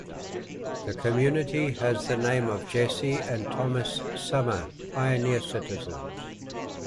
The community has the name of Jesse and Thomas Summer, pioneer citizens.